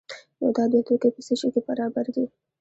نو دا دوه توکي په څه شي کې برابر دي؟